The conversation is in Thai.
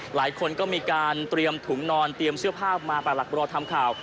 หลายคนก็มีการเตรียมถุงนอนเตรียมเสื้อผ้ามาปากหลักรอทำข่าว